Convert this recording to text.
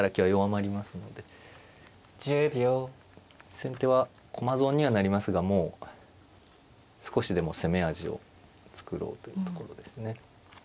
先手は駒損にはなりますがもう少しでも攻め味を作ろうというところですね。